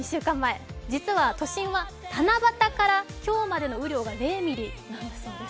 実は、都心は七夕から今日までの雨量が０ミリなんだそうです。